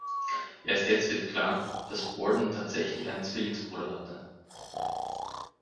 Erst jetzt wird klar, dass Borden tatsächlich einen Zwillingsbruder hatte.